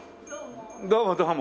どうも。